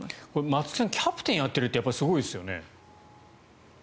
松木さんキャプテンをやっているってやっぱりすごいですよね。